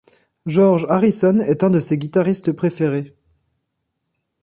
George Harrison est un de ses guitaristes préférés.